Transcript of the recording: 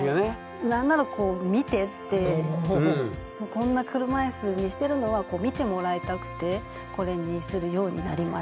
こんな車いすにしてるのは見てもらいたくてこれにするようになりましたね。